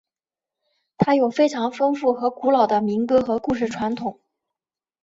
它有非常丰富和古老的民歌和故事传统。